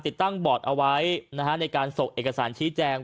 ติดตั้งบอตเอาไว้นะในการโศกเอกสารชี้แจง